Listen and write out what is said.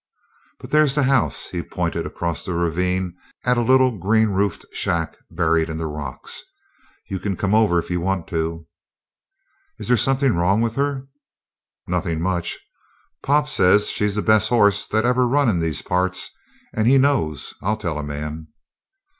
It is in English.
"But there's the house." He pointed across the ravine at a little green roofed shack buried in the rocks. "You can come over if you want to." "Is there something wrong with her?" "Nothin' much. Pop says she's the best hoss that ever run in these parts. And he knows, I'll tell a man!"